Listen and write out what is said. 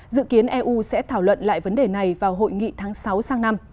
dự kiến eu sẽ thảo luận lại vấn đề này vào hội nghị tháng sáu sang năm